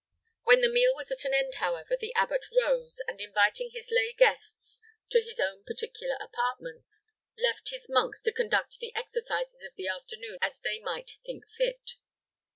When the meal was at an end, however, the abbot rose, and, inviting his lay guests to his own particular apartments, left his monks to conduct the exercises of the afternoon as they might think fit.